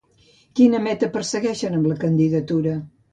Quina meta persegueixen amb la candidatura?